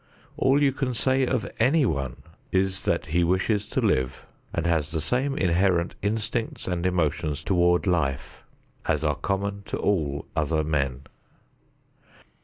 All you can say of any one is that he wishes to live, and has the same inherent instincts and emotions toward life as are common to all other men.